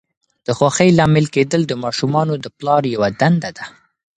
د خوښۍ لامل کېدل د ماشومانو د پلار یوه دنده ده.